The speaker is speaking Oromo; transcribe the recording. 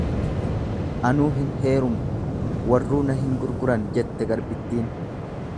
Anuu hin heerumu, warruu ana hin gurguran, jette garbittiin.